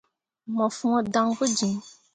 Mo fõo dan pu jiŋ.